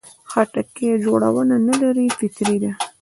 خټکی جوړونه نه لري، فطري ده.